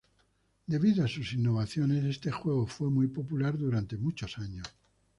Debido a sus innovaciones este juego fue muy popular durante muchos años.